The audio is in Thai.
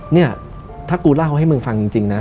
เนี่ยถ้ากูเล่าให้มึงฟังจริงนะ